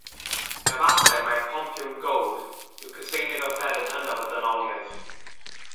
Efallai mai'r pompiwn gowrd yw cyseinydd offeryn hynaf y ddynoliaeth.